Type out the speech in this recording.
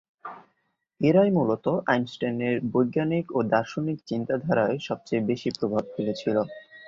এরাই মূলত আইনস্টাইনের বৈজ্ঞানিক ও দার্শনিক চিন্তাধারায় সবচেয়ে বেশি প্রভাব ফেলেছিল।